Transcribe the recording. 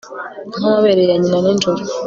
nkamabere ya nyina ninjoro